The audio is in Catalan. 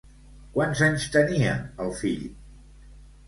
Quants anys tenia el fill?